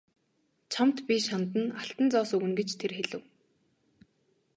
Чамд би шанд нь алтан зоос өгнө гэж тэр хэлэв.